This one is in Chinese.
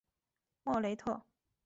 莫雷特。